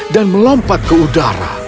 dan melompat ke udara